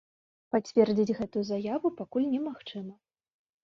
Пацвердзіць гэтую заяву пакуль немагчыма.